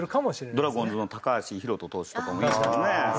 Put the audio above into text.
ドラゴンズの橋宏斗投手とかもいいですよね。